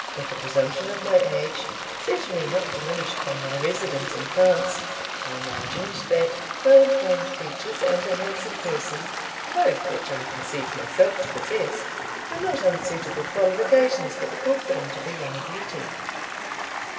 With the presumption of my age, certainly not diminished by my residence in France, I imagined that well formed features, and a handsome person, both which I conceived myself to possess, were not unsuitable qualifications for the confidant of a young beauty.